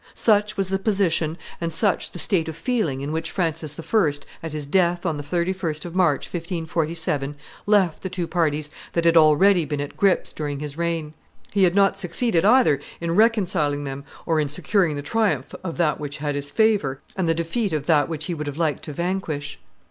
Such was the position and such the state of feeling in which Francis I., at his death on the 31st of March, 1547, left the two parties that had already been at grips during his reign. He had not succeeded either in reconciling them or in securing the triumph of that which had his favor and the defeat of that which he would have liked to vanquish.